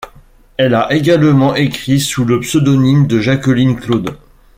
Elle a également écrit sous le pseudonyme de Jacqueline Claude.